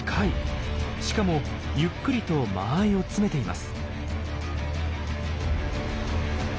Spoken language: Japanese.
しかもゆっくりと間合いを詰めています。